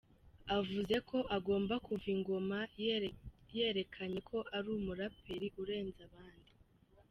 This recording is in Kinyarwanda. Avuze ko agomba kuva i Ngoma yerekanye ko ’ari umuraperi urenze abandi’.